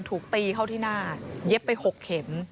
ถูกตีเข้าที่หน้าเย็บไป๖เข็ม